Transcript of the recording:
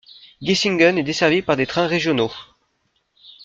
Gisingen est desservie par des trains régionaux.